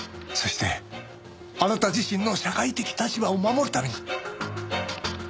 そしてあなた自身の社会的立場を守るために。